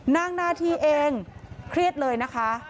นางนาธีเองเครียดเลยนะคะ